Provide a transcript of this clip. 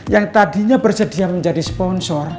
yang tadinya bersedia menjadi sponsor